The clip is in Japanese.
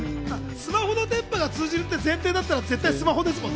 スマホの電波が通じるって前提だったら、スマホですもんね。